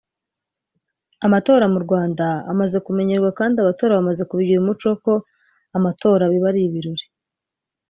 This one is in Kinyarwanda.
Amatora mu Rwanda amaze kumenyerwa kandi abatora bamaze kubigira umuco ko amatora biba ari ibirori